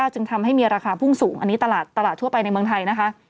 จึงทำให้มีราคาพุ่งสูงอันนี้ตลาดทั่วไปในเมืองไทยนะคะ